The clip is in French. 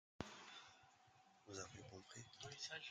C'est le dernier album auquel Michael ait participé.